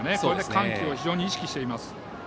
緩急を非常に意識しています。